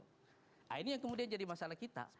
nah ini yang kemudian jadi masalah kita